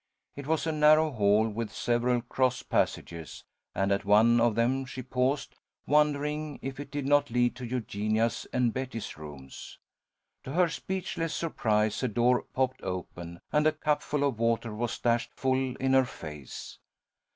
It was a narrow hall with several cross passages, and at one of them she paused, wondering if it did not lead to Eugenia's and Betty's rooms. To her speechless surprise, a door popped open and a cupful of water was dashed full in her face.